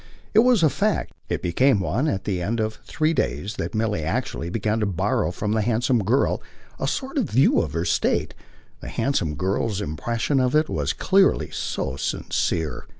It was a fact it became one at the end of three days that Milly actually began to borrow from the handsome girl a sort of view of her state; the handsome girl's impression of it was clearly so sincere.